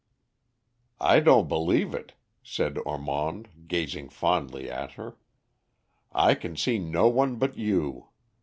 "I don't believe it," said Ormond, gazing fondly at her. "I can see no one but you.